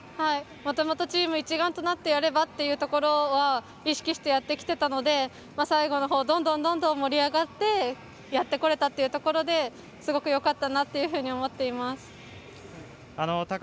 もともとチーム一丸となってやればというのは意識してやっていたので最後、どんどん盛り上がってやってこれたというところですごくよかったなと思っています。